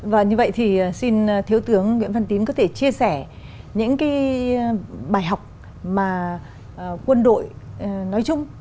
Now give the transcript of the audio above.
và như vậy thì xin thiếu tướng nguyễn văn tín có thể chia sẻ những cái bài học mà quân đội nói chung